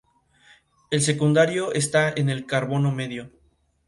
El secundario está en el carbono medio.